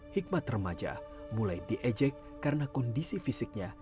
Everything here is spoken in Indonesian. hikmat remaja mulai diejek karena kondisi fisiknya